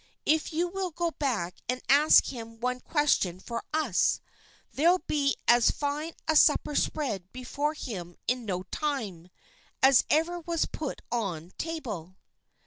If you will go back and ask him one question for us, there'll be as fine a supper spread before him in no time, as ever was put on table."